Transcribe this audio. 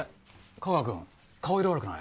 架川くん顔色悪くない？